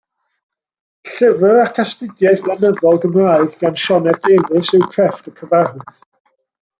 Llyfr ac astudiaeth lenyddol, Gymraeg gan Sioned Davies yw Crefft y Cyfarwydd.